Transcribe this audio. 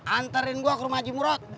anterin gua ke rumah haji murad